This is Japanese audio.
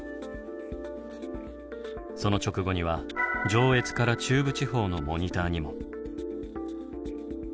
その直後には上越から中部地方のモニターにも。